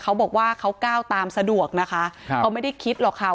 เขาบอกว่าเขาก้าวตามสะดวกนะคะครับเขาไม่ได้คิดหรอกค่ะ